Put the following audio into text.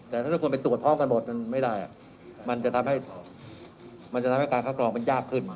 แต่ถ้าทุกคนไปตรวจห้องกันหมดมันไม่ได้มันจะทำให้การค่าครองมันยากขึ้น